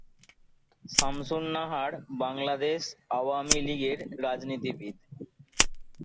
শামসুন নাহার বাংলাদেশ আওয়ামী লীগের রাজনীতিবিদ।